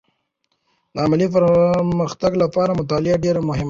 د علمي پرمختګ لپاره مطالعه ډېر مهمه ده.